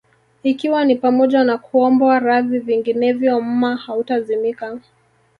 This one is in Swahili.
Ikiwa ni pamoja na kuombwa radhi vinginevyo mma hautazimika